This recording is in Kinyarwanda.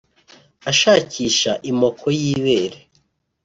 ashakisha imoko y’ibere